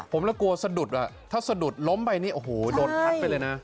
ผมแล้วกลัวสะดุดอ่ะถ้าสะดุดล้มไปนี่โอ้โหโดนพัดไปเลยนะ